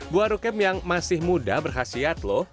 buah rukam yang masih mudah berkhasiat loh